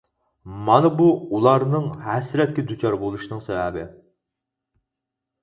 مانا بۇ ئۇلارنىڭ ھەسرەتكە دۇچار بولۇشىنىڭ سەۋەبى.